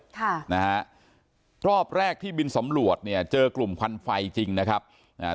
ค่ะนะฮะรอบแรกที่บินสำรวจเนี่ยเจอกลุ่มควันไฟจริงนะครับอ่า